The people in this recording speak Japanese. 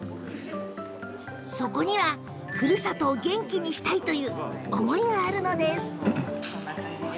そこにはふるさとを元気にしたいという思いがあるんです。